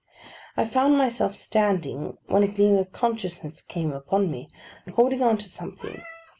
I found myself standing, when a gleam of consciousness came upon me, holding on to something.